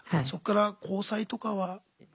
そこから交際とかは？